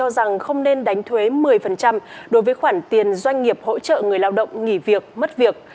đánh thuế một mươi đối với khoản tiền doanh nghiệp hỗ trợ người lao động nghỉ việc mất việc